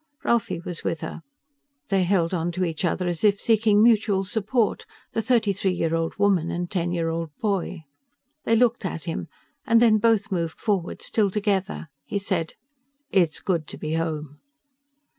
Ralphie was with her. They held onto each other as if seeking mutual support, the thirty three year old woman and ten year old boy. They looked at him, and then both moved forward, still together. He said, "It's good to be home!"